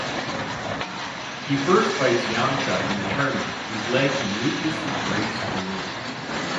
He first fights Yamcha in the tournament, whose leg he ruthlessly breaks to win.